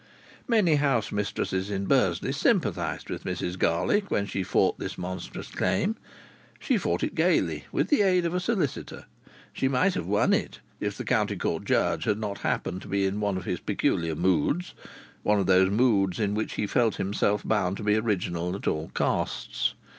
Many house mistresses in Bursley sympathized with Mrs Garlick when she fought this monstrous claim. She fought it gaily, with the aid of a solicitor. She might have won it, if the County Court Judge had not happened to be in one of his peculiar moods one of those moods in which he felt himself bound to be original at all costs.